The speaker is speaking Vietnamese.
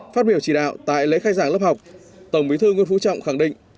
phát biểu chỉ đạo tại lễ khai giảng lớp học tổng bí thư nguyễn phú trọng khẳng định